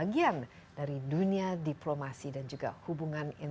musik pun terbukti mampu mempromosikan integrasi sebuah bangsa